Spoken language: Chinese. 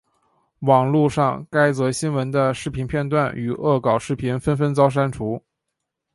网路上该则新闻的视频片段与恶搞视频纷纷遭删除。